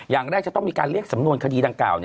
อย่างแรกจะต้องมีการเรียกสำนวนคดีดังกล่าว